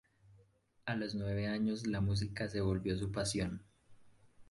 A los nueve años la música se volvió su pasión.